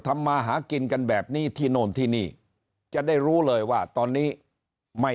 มาหากินกันแบบนี้ที่โน่นที่นี่จะได้รู้เลยว่าตอนนี้ไม่